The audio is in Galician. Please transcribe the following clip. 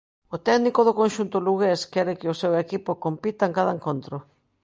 O técnico do conxunto lugués quere que o seu equipo compita en cada encontro.